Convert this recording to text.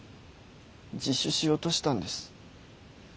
自首しようとしたんです。